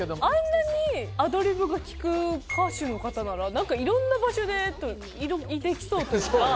あんなにアドリブがきく歌手の方なら何かいろんな場所でできそうというか。